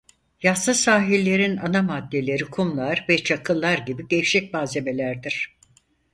Yassı sahillerin ana maddeleri kumlar ve çakıllar gibi gevşek malzemelerdir.